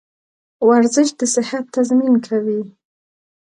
ورزش د صحت تضمین کوي.